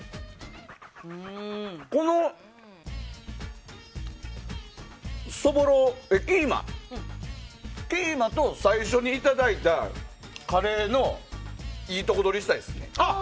このキーマと最初にいただいたカレーのいいとこ取りしたいですね。